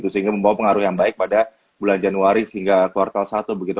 sehingga membawa pengaruh yang baik pada bulan januari hingga kuartal satu begitu